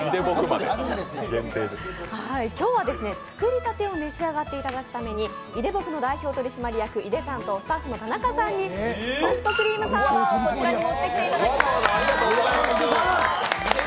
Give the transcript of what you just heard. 今日は作りたてを召し上がっていただくためにいでぼくの代表取締役、井出さんとスタッフの田中さんにソフトクリームサーバーをこちらに持ってきていただきました。